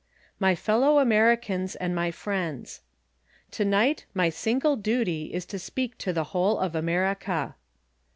My Fellow Americans and My Friends: Tonight my single duty is to speak to the whole of America.